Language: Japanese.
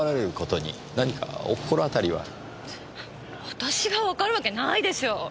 私がわかるわけないでしょう。